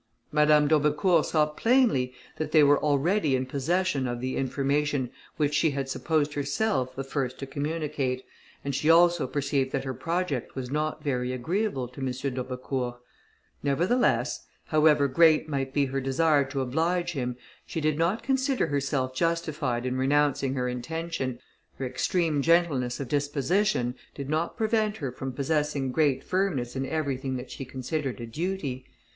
Madame d'Aubecourt saw plainly that they were already in possession of the information which she had supposed herself the first to communicate, and she also perceived that her project was not very agreeable to M. d'Aubecourt; nevertheless, however great might be her desire to oblige him, she did not consider herself justified in renouncing her intention. Her extreme gentleness of disposition, did not prevent her from possessing great firmness in everything that she considered a duty.